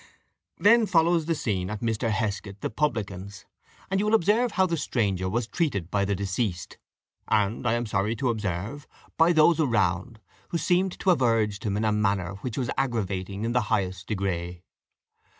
Then follows the scene at Mr. Heskett the publican's, and you will observe how the stranger was treated by the deceased, and, I am sorry to observe, by those around, who seem to have urged him in a manner which was aggravating in the highest degree.